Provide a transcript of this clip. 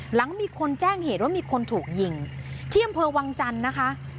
หลังมีคนแจ้งเหตุว่ามีคนถูกยิงที่อำเภอวังจันทร์นะคะ